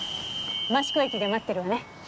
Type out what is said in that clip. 益子駅で待ってるわね。